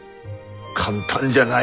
簡単じゃない。